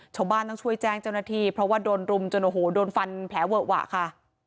ชาวบ้านต้องช่วยแจ้งเจ้าหน้าที่เพราะว่าโดนรุมจนโอ้โหโดนฟันแผลเวอะหวะค่ะ